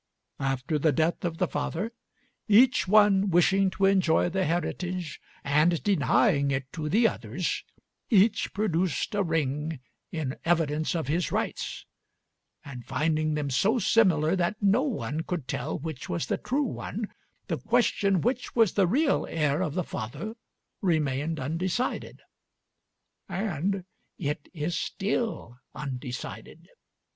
After the death of the father, each one wishing to enjoy the heritage and denying it to the others, each produced a ring in evidence of his rights, and finding them so similar that no one could tell which was the true one, the question which was the real heir of the father remained undecided, and it is still undecided.